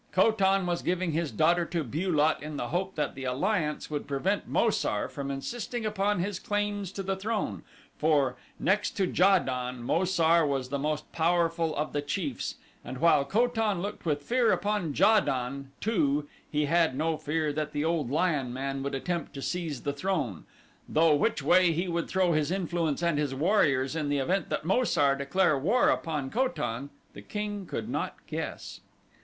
Ko tan was giving his daughter to Bu lot in the hope that the alliance would prevent Mo sar from insisting upon his claims to the throne, for, next to Ja don, Mo sar was the most powerful of the chiefs and while Ko tan looked with fear upon Ja don, too, he had no fear that the old Lion man would attempt to seize the throne, though which way he would throw his influence and his warriors in the event that Mo sar declare war upon Ko tan, the king could not guess.